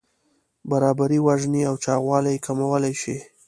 برابري وژنې او چاغوالی کمولی شي.